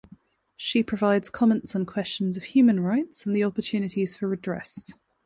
She provides comments on questions of human rights and the opportunities for redress.